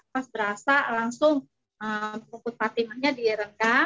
pas berasa langsung rumput fatimanya direnggam